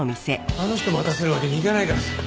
あの人を待たせるわけにいかないからさ。